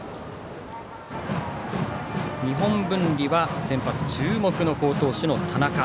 日本文理は先発注目の好投手の田中。